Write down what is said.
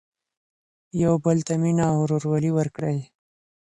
يو بل ته مينه او ورورولي ورکړئ.